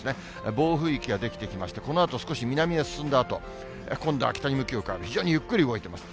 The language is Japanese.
暴風域が出来てきまして、このあと少し南へ進んだあと、今度は北に向きを変える、非常にゆっくり動いてます。